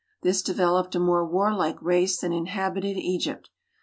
This developed a uiore warlike race than inhabited Egypt.